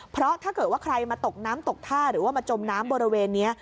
เพราะถ้าเกิดว่าใครมาตกน้ำตกท่าหรือว่ามาจมน้ำบริเวณนี้